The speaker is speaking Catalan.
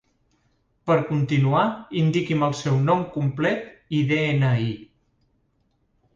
Per continuar, indiqui'm el seu nom complet i de-ena-i.